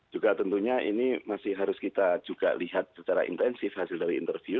juga tentunya ini masih harus kita juga lihat secara intensif hasil dari interview